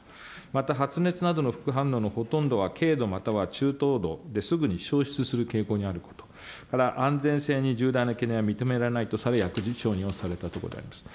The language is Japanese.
また発熱などの副反応のほとんどは軽度または中等度、すぐに消失する傾向にあること、また安全性に重大な懸念は認められないとされ、薬事承認をされたところであります。